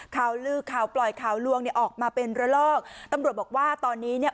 ข่าวลือข่าวปล่อยข่าวลวงเนี่ยออกมาเป็นระลอกตำรวจบอกว่าตอนนี้เนี่ย